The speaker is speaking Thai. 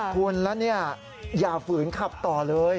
คุณแล้วเนี่ยอย่าฝืนขับต่อเลย